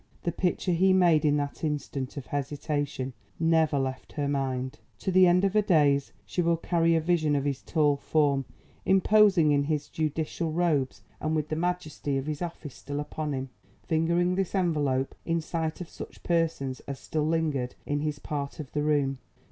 The picture he made in that instant of hesitation never left her mind. To the end of her days she will carry a vision of his tall form, imposing in his judicial robes and with the majesty of his office still upon him, fingering this envelope in sight of such persons as still lingered in his part of the room.